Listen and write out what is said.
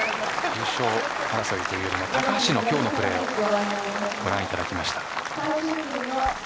優勝争いというよりも高橋の今日のプレーをご覧いただきました。